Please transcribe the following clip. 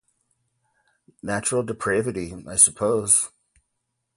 Natural depravity, I suppose.